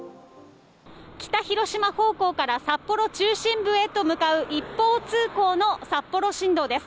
北広島方向から、札幌中心部へと向かう一方通行の札幌新道です。